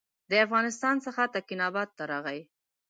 له افغانستان څخه تکیناباد ته راغی.